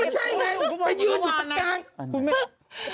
ไม่ใช่ไงไปอยู่กันสักครั้ง